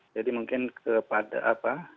jadi mungkin kepada